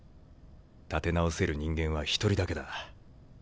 立て直せる人間は一人だけだ。